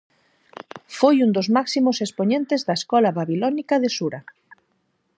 Foi un dos máximos expoñentes da escola babilónica de Sura.